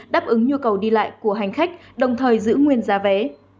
đáp ứng nhu cầu đi lại của hành khách đồng thời giữ nguyên giá vé